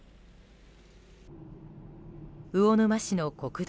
魚沼市の国道。